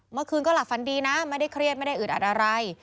เมื่อคืนก็หลับฝันดีนะไม่ได้เครียดไม่ได้อึดอัดอะไร